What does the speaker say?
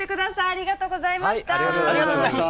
ありがとうありがとうございました。